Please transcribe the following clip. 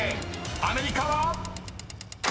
［アメリカは⁉］